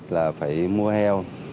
là phải mua heo